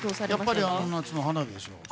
やっぱり「あの夏の花火」でしょ。